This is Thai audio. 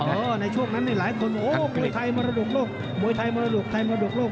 เพราะว่าในช่วงนั้นหลายคนโอ้มวยไทยมรดกโลกมวยไทยมรดกโลกมวยไทยมรดกโลก